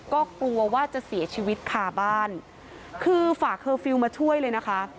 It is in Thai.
ก็กลัวว่าจะเสียชีวิตคาบ้านคือฝากเคอร์ฟิลล์มาช่วยเลยนะคะ